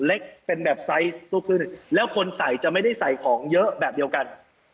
เล็กเป็นแบบไซส์ลูกขึ้นแล้วคนใส่จะไม่ได้ใส่ของเยอะแบบเดียวกัน